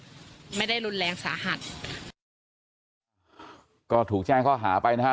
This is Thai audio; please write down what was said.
ก็ไม่ได้รุนแรงสาหัสก็ถูกแจ้งข้อหาไปนะฮะ